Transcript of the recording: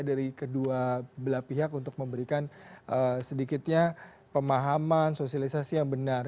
dari kedua belah pihak untuk memberikan sedikitnya pemahaman sosialisasi yang benar